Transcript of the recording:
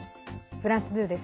フランス２です。